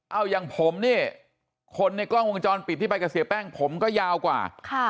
เอาอย่างผมเนี่ยคนในกล้องวงจรปิดที่ไปกับเสียแป้งผมก็ยาวกว่า